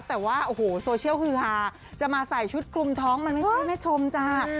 แต่ว่าโอ้โหโซเชียลฮือฮาจะมาใส่ชุดคลุมท้องมันไม่ใช่แม่ชมจ้า